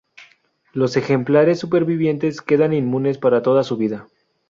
Los ejemplares supervivientes quedan inmunes para toda su vida.